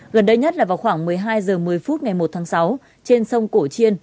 gần đây nhất là vào khoảng một mươi hai h một mươi phút ngày một tháng sáu trên sông cổ chiên